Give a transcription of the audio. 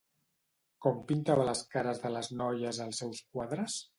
Com pintava les cares de les noies als seus quadres?